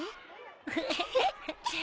ウフフッ。